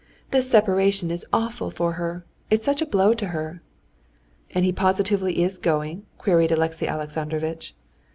"This separation is awful for her. It's such a blow to her!" "And he positively is going?" queried Alexey Alexandrovitch.